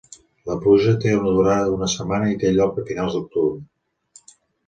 La pluja té una durada d'una setmana i té lloc a finals d'octubre.